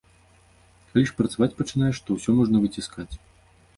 Калі ж працаваць пачынаеш, то ўсё можна выціскаць.